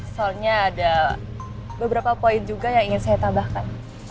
soalnya ada beberapa poin juga yang ingin saya tambahkan